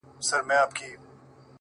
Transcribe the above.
• په دښتونو کي چي ګرځې وږی پلی,